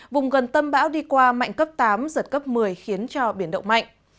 vùng gần tâm bão đi qua mạnh cấp tám giật cấp một mươi khiến cho biển động mạnh